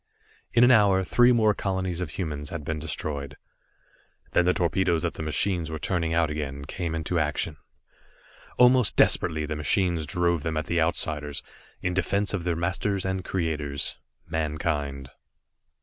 In an hour, three more colonies of humans had been destroyed. Then the torpedoes that the machines were turning out again, came into action. Almost desperately the machines drove them at the Outsiders in defense of their masters and creators, Mankind.